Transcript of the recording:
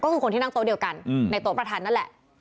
ก็คือคนที่นั่งโต๊ะเดียวกันในโต๊ะประธานนั่นแหละ